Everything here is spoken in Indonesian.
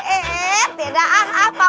eh tidak apa apa